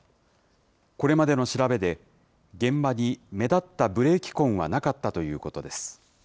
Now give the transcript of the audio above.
これまでの調べで、現場に目立ったブレーキ痕はなかったということです。